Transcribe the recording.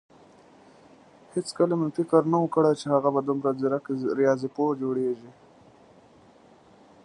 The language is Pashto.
هيڅکله مې فکر نه وو کړی چې هغه به دومره ځيرک رياضيپوه جوړېږي.